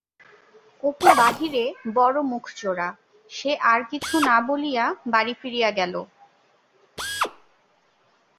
অপু বাহিরে বড় মুখ-চোরা, সে আর কিছু না বলিয়া বাড়ি ফিরিয়া গেল।